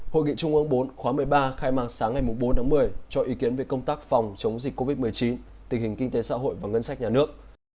hội nghị trung ương bốn khóa một mươi ba khai mạc sáng ngày bốn tháng một mươi cho ý kiến về công tác phòng chống dịch covid một mươi chín tình hình kinh tế xã hội và ngân sách nhà nước